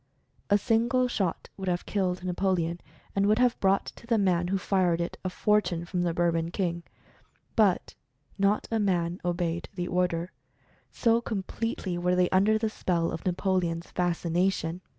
A single shot would have killed Napoleon, and would have brought to the man who fired it a for 30 Mental Fascination tune from the Bourbon King. But not a man obeyed the order, so completely were they under the spell of Napoleon's fascination.